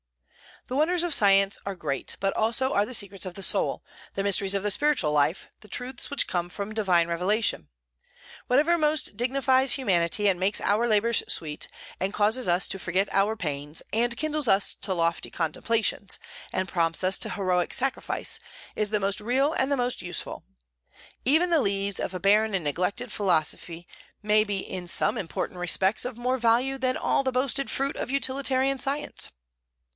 The wonders of science are great, but so also are the secrets of the soul, the mysteries of the spiritual life, the truths which come from divine revelation. Whatever most dignifies humanity, and makes our labors sweet, and causes us to forget our pains, and kindles us to lofty contemplations, and prompts us to heroic sacrifice, is the most real and the most useful. Even the leaves of a barren and neglected philosophy may be in some important respects of more value than all the boasted fruit of utilitarian science.